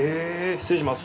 失礼します。